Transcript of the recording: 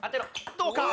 どうか？